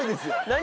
何？